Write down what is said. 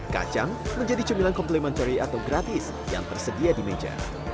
kacang menjadi cemilan komplementary atau gratis yang tersedia di meja